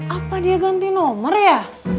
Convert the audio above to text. apa dia ganti nomor ya